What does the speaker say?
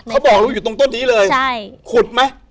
เขาบอกรู้อยู่ตรงต้นนี้เลยขุดไหม